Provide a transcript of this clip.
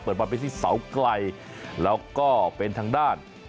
บอลไปที่เสาไกลแล้วก็เป็นทางด้าน